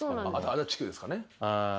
足立区ですかね。